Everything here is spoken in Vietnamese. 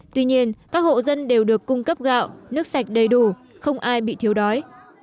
tuy nhiên các hộ dân đều được cung cấp gạo nước sạch đầy đủ không ai bị thiếu đói